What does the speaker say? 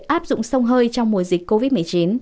áp dụng sông hơi trong mùa dịch covid một mươi chín